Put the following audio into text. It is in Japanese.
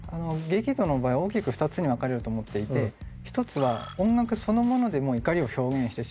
激怒の場合大きく２つに分かれると思っていて１つは音楽そのもので怒りを表現してしまう場合。